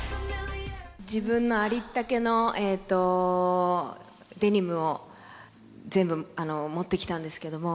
自分のありったけのデニムを、全部持ってきたんですけども。